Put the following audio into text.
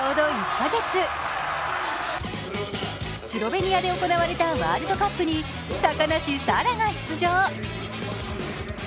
スロベニアで行われたワールドカップに高梨沙羅が出場。